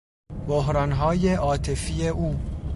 بحرانهای عاطفی او